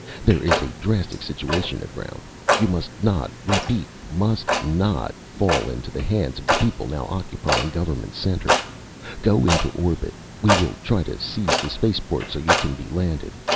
There is a drastic situation aground. You must not repeat, must not fall into the hands of the people now occupying Government Center. Go into orbit. We will try to seize the spaceport so you can be landed.